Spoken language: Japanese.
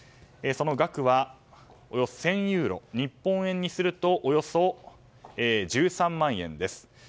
その額は、およそ１０００ユーロ日本円にするとおよそ１３万円です。